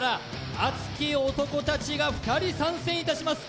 熱き男達が２人参戦いたします